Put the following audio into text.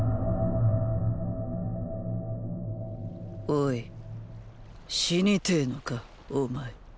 おい死にてぇのかお前。